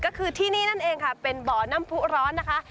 ก็คือที่นี่นั่นเองค่ะเป็นบ่อน้ำผู้ร้อนนะคะ